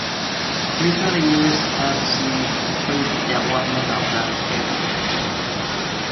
Recent years have seen increased development of the area.